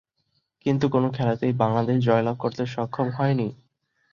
কিন্তু কোন খেলাতেই বাংলাদেশ জয়লাভ করতে সক্ষম হয়নি।